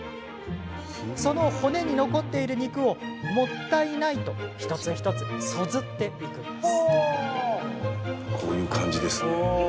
その骨に残っている肉をもったいないと一つ一つ、そずっていくんです。